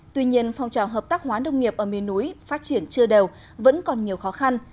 tuy nhiên phong trào hợp tác hóa nông nghiệp ở miền núi phát triển chưa đều vẫn còn nhiều khó khăn